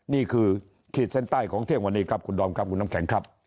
ขีดเส้นใต้ของเที่ยงวันนี้ครับคุณดอมครับคุณน้ำแข็งครับ